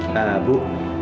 tak ada bu